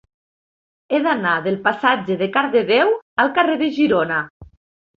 He d'anar del passatge de Cardedeu al carrer de Girona.